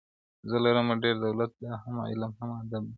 زه لرمه ډېر دولت دا هم علم هم آدب دی,